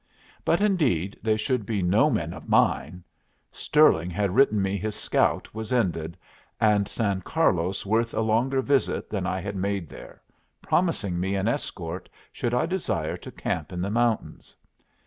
But indeed they should be no men of mine! Stirling had written me his scout was ended, and San Carlos worth a longer visit than I had made there, promising me an escort should I desire to camp in the mountains.